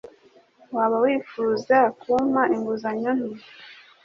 Waba wifuza kumpa inguzanyo nto?